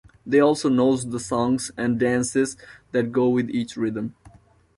They also knows the songs and dances that go with each rhythm.